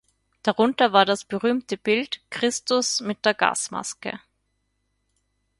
Darunter war das berühmte Bild "Christus mit der Gasmaske".